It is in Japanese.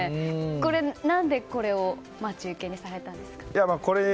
何でこれを待ち受けにされたんですか。